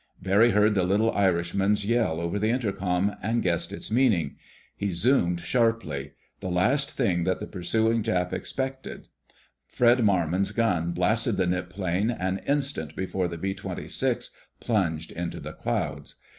Barry heard the little Irishman's yell over the intercom, and guessed its meaning. He zoomed sharply—the last thing that the pursuing Jap expected. Fred Marmon's gun blasted the Nip plane an instant before the B 26 plunged into the clouds.